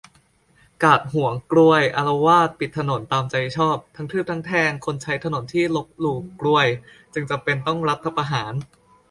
การ์ดหวงกรวยอาละวาดปิดถนนตามใจชอบ ทั้งทืบทั้งแทงคนใช้ถนนที่ลบหลู่กรวย จึงจำเป็นต้องรัฐประหาร